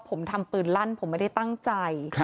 ผมทำปืนลั่นผมไม่ได้ตั้งใจ